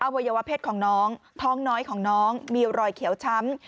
วัยวะเพศของน้องท้องน้อยของน้องมีรอยเขียวช้ำ